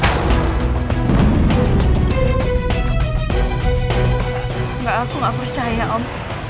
enggak aku gak percaya om